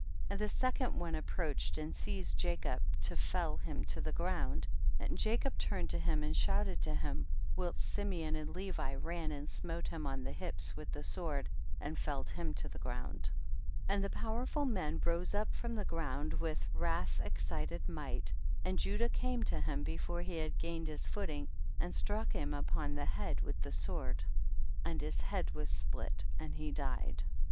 And the second one approach ed and seized Jacob to fell him to the ground, and Jacob turned to him and shouted to him, whilst Simeon and Levi ran and smote him on the hips with the sword and felled him to the ground. 60. And the powerful man rose up from the ground witli wrath ex cited might, and Judah came to him before he had gained his footing, and struck him upon the head with the sword, and his head was split and he died. 61.